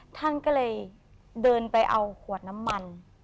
ท่านก็เลยเดินไปเอาขวดน้ำมัน